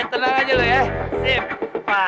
tenang aja lu ya